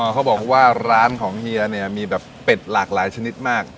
เขาบอกว่าร้านของเฮียเนี่ยมีแบบเป็ดหลากหลายชนิดมาก